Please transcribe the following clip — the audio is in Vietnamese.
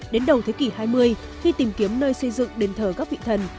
đến đầu thế kỷ hai mươi khi tìm kiếm nơi xây dựng đền thờ các vị thần